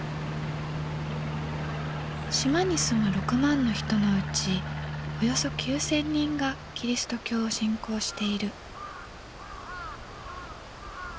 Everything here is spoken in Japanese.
島に住む６万の人のうちおよそ９，０００人がキリスト教を信仰している。